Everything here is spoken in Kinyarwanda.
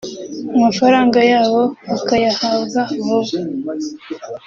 amafaranga yabo bakayahabwa vuba